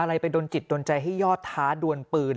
อะไรไปโดนจิตโดนใจให้ยอดท้าดวนปืน